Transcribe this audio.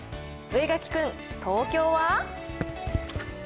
上垣君、東京は？